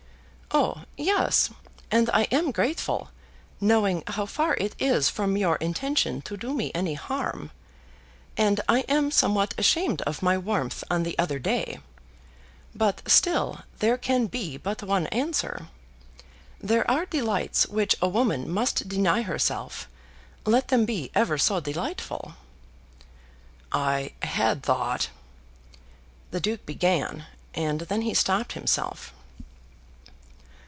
"Oh, yes. And I am grateful, knowing how far it is from your intention to do me any harm. And I am somewhat ashamed of my warmth on the other day. But still there can be but one answer. There are delights which a woman must deny herself, let them be ever so delightful." "I had thought, " the Duke began, and then he stopped himself.